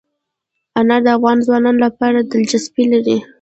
انار د افغان ځوانانو لپاره دلچسپي لري.